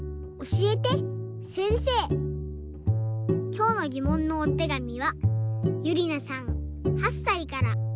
きょうのぎもんのおてがみはゆりなさん８さいから。